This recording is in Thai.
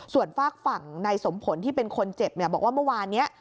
ส่วนฝากฝั่งในสมผลที่เป็นคนเจ็บเนี่ยบอกว่าเมื่อวานนี้